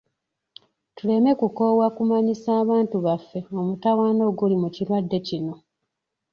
Tuleme kukoowa kumanyisa abantu baffe omutawaana oguli mu kirwadde kino.